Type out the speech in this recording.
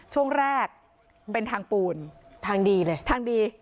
ช่วงแรกเป็นทางปูนทางดีเลยทางดี